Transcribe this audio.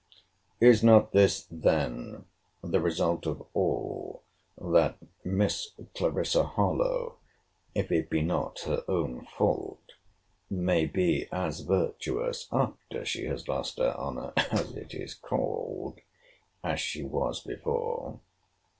Is not this then the result of all, that Miss Clarissa Harlowe, if it be not her own fault, may be as virtuous after she has lost her honour, as it is called, as she was before?